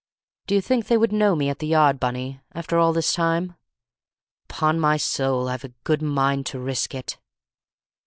Do you think they would know me at the Yard, Bunny, after all this time? Upon my soul I've a good mind to risk it!"